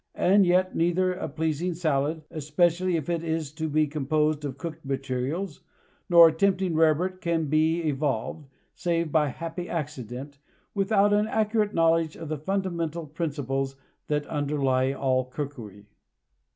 And yet neither a pleasing salad, especially if it is to be composed of cooked materials, nor a tempting rarebit can be evolved, save by happy accident, without an accurate knowledge of the fundamental principles that underlie all cookery.